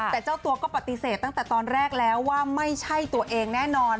แต่เจ้าตัวก็ปฏิเสธตั้งแต่ตอนแรกแล้วว่าไม่ใช่ตัวเองแน่นอน